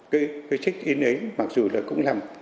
cái trích in ấy mặc dù là cũng lầm